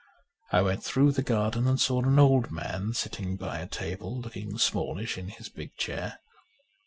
I went through the garden and saw an old man sitting by a table, looking smallish in his big chair.